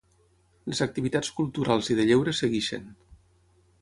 Les activitats culturals i de lleure segueixen.